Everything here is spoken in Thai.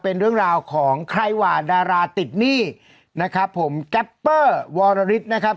เป็นเรื่องราวของใครหว่าดาราติดหนี้นะครับผมแกปเปอร์วรริสนะครับ